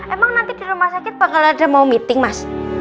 emang nanti di rumah sakit bakal ada mau meeting mas